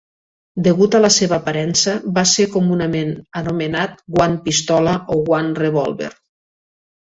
Degut a la seva aparença, va ser comunament anomenat "Guant Pistola" o "Guant Revòlver".